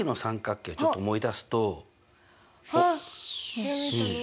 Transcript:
ひらめいたの？